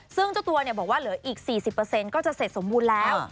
ซึ่งเจ้าตัวบอกว่าเหลืออีก๔๐ก็จะเสร็จสมบูรณ์แล้ว